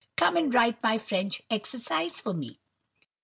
Come and write my French exercise for me.